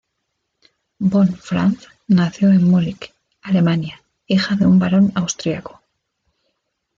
Von Franz nació en Múnich, Alemania, hija de un barón austríaco.